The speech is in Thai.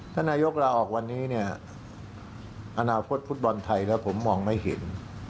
ท่านนายกลาออกวันนี้เนี่ยอนาคตฟุตบอลไทยแล้วผมมองไม่เห็น